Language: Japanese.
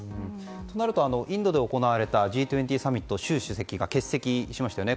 となると、インドで行われたＧ２０サミット習主席が欠席しましたよね。